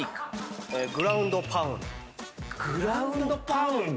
グランドパウンド。